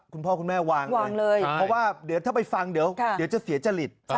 คุณพ่อคุณแม่วางวางเลยเพราะว่าเดี๋ยวถ้าไปฟังเดี๋ยวจะเสียจริต